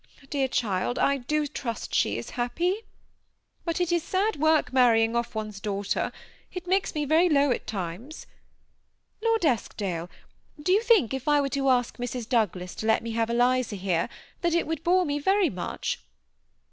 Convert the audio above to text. Dear child ! I do trust she is happy, but it is sad work marrying off one's daughters; it makes me very low at times. Lord Eskdale, do you think if I were to ask Mrs. Douglas to let me have Eliza here, that it would bore me very much?"